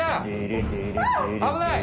危ない！